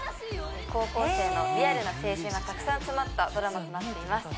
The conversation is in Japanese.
高校生のリアルな青春がたくさん詰まったドラマとなっています